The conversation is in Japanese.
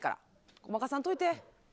ごまかさんといて。